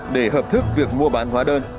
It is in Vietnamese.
để hợp thức việc mua bán hóa đơn